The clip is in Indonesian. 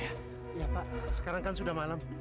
iya pak sekarang kan sudah malam